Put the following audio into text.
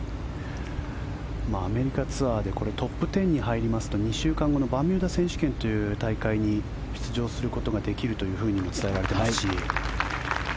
アメリカツアーでトップ１０に入りますと２週間後のバミューダ選手権という大会に出場することができるというふうに伝えられていますし。